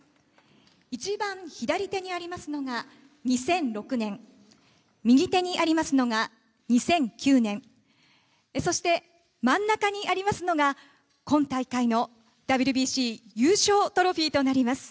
一番左手にありますのが２００６年右手にありますのが２００９年そして、真ん中にありますのが今大会のＷＢＣ優勝トロフィーとなります。